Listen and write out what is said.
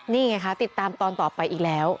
นี่ไงคะติดตามตอนต่อไปอีกแล้ว